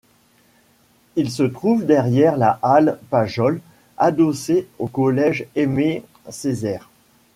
Il se trouve derrière la Halle Pajol, adossé au collège Aimé-Césaire.